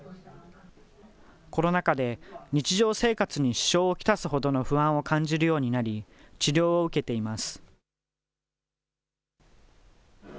コロナ禍で、日常生活に支障を来すほどの不安を感じるようになり、治療を受けています。